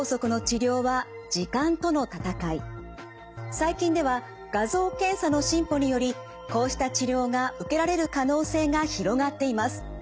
最近では画像検査の進歩によりこうした治療が受けられる可能性が広がっています。